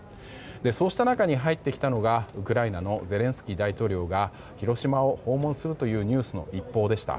そうした中に入ってきたのがウクライナのゼレンスキー大統領が広島を訪問するというニュースの一報でした。